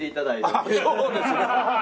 ああそうですね。